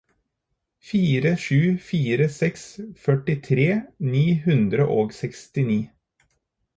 fire sju fire seks førtitre ni hundre og sekstini